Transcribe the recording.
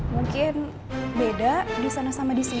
mungkin beda di sana sama di sini